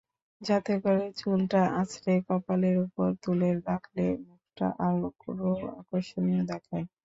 যাতে করে চুলটা আঁচড়ে কপালের ওপরে তুলে রাখলে মুখটা আরও আকর্ষণীয় দেখায়।